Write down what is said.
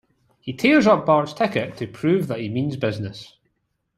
He tears up Bart's ticket to prove that he means business.